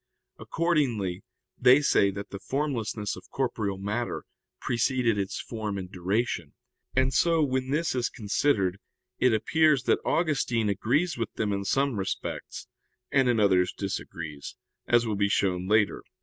Accordingly they say that the formlessness of corporeal matter preceded its form in duration. And so, when this is considered, it appears that Augustine agrees with them in some respects, and in others disagrees, as will be shown later (Q.